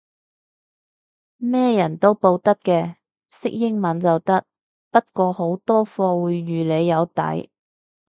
咩人都報得嘅，識英文就得，不過好多課會預你有底